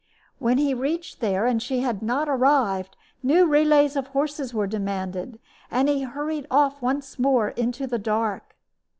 When he reached there and she had not arrived, new relays of horses were demanded, and he hurried off once more into the dark.